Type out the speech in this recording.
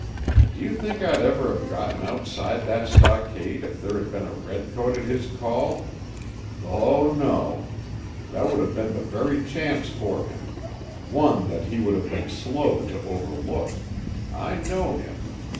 Do you think I'd ever have gotten outside that stockade if there had been a redcoat at his call? Oh, no! That would have been the very chance for him—one that he would have been slow to overlook. I know him.